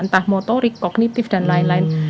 entah motorik kognitif dan lain lain